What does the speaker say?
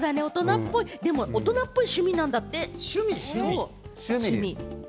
でも、大人っぽい趣味なんだ趣味？